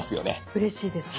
うれしいです。